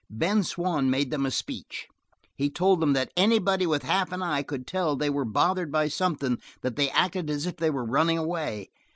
Ben Swann made them a speech. He told them that anybody with half an eye could tell they were bothered by something, that they acted as if they were running away.